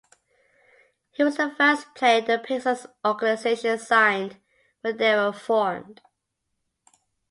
He was the first player the Pacers organization signed when they were formed.